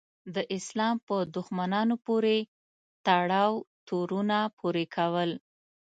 د اسلام په دښمنانو پورې تړاو تورونه پورې کول.